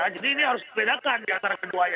jadi ini harus dipedakan di antara keduanya